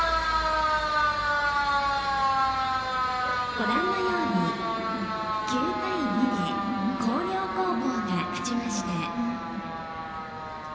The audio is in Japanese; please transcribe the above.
ご覧のように９対２で広陵高校が勝ちました。